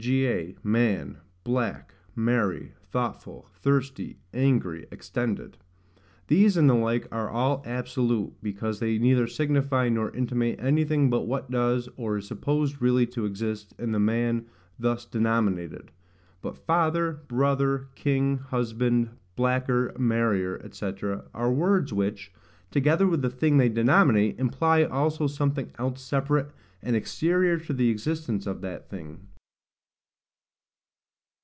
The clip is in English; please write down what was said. g.a MAN, BLACK, MERRY, THOUGHTFUL, THIRSTY, ANGRY, EXTENDED; these and the like are all absolute, because they neither signify nor intimate anything but what does or is supposed really to exist in the man thus denominated; but FATHER, BROTHER, KING, HUSBAND, BLACKER, MERRIER, &c., are words which, together with the thing they denominate, imply also something else separate and exterior to the existence of that thing.